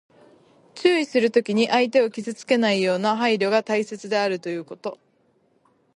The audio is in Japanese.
注意するときに、相手を傷つけないような配慮が大切であるということ。